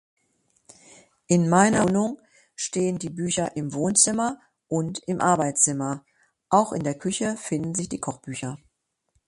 In meiner Wohnung stehen die Bücher im Wohnzimmer und im Arbeitszimmer. Auch in der Küche finden sich die Kochbücher.